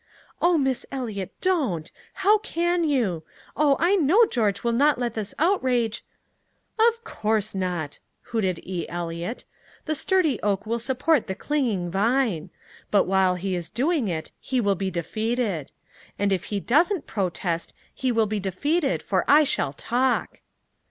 '" "Oh, Miss Eliot, don't! How can you? Oh, I know George will not let this outrage " "Of course not," hooted E. Eliot. "The sturdy oak will support the clinging vine! But while he is doing it he will be defeated. And if he doesn't protest he will be defeated, for I shall talk!"